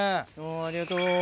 ありがとう。